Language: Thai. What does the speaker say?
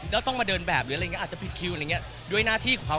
แล้วต้องมาเดินแบบหรืออะไรอย่างเงี้ยอาจจะผิดคิวด้วยหน้าที่ของเค้า